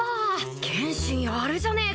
剣心やるじゃねえか。